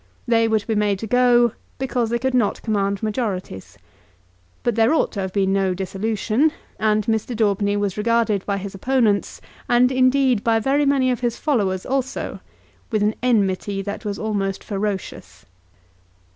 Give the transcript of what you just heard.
They were to be made to go, because they could not command majorities. But there ought to have been no dissolution, and Mr. Daubeny was regarded by his opponents, and indeed by very many of his followers also, with an enmity that was almost ferocious.